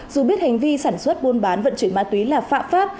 dù biết hành vi sản xuất buôn bán vận chuyển ma túy là phạm pháp